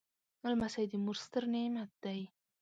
لمسی د مور ستر نعمت دی.